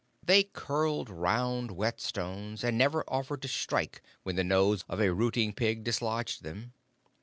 They curled round wet stones, and never offered to strike when the nose of a rooting pig dislodged them.